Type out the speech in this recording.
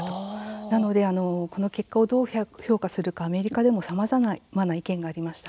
なのでこの結果をどう評価するかアメリカでもさまざまな意見がありました。